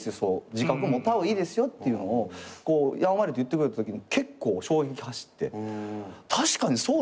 自覚を持った方がいいですよ」っていうのをこうやんわりと言ってくれたときに結構衝撃走って確かにそうだなと。